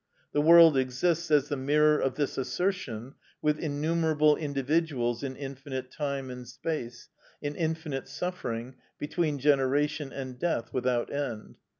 The world exists as the mirror of this assertion, with innumerable individuals in infinite time and space, in infinite suffering, between generation and death without end.